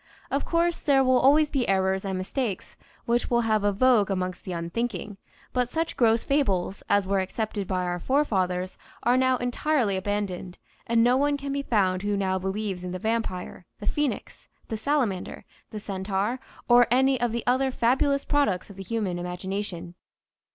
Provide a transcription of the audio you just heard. Of course there will always be errors and mistakes which will have a vogue amongst the unthinking, but such gross fables as were accepted by our forefathers are now entirely abandoned and no one can be found who now believes in the vampire, the phoenix, the salamander, the centaur, or any of the other fabulous products of the human imagination.